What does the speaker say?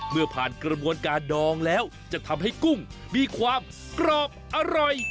เมื่อผ่านกระบวนการดองแล้วจะทำให้กุ้งมีความกรอบอร่อย